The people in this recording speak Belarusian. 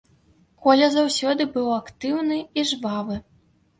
Коля заўсёды быў актыўны і жвавы.